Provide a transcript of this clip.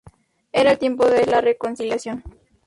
Era el tiempo de la reconciliación.